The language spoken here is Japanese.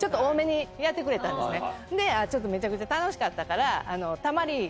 めちゃくちゃ楽しかったから。